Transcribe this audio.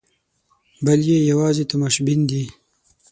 بل یې یوازې تماشبین دی.